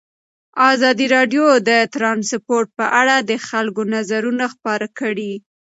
ازادي راډیو د ترانسپورټ په اړه د خلکو نظرونه خپاره کړي.